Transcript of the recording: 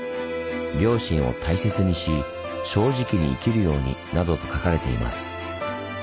「両親を大切にし正直に生きるように」などと書かれています。